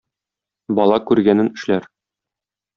Бала күргәнен эшләр.